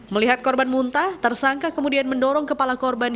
melihat korban muntah tersangka kemudian mendorong kepala korban